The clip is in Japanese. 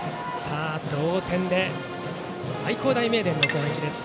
同点で愛工大名電の攻撃です。